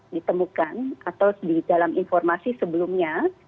ditemukan atau di dalam informasi sebelumnya